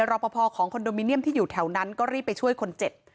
รอปภของคอนโดมิเนียมที่อยู่แถวนั้นก็รีบไปช่วยคนเจ็บ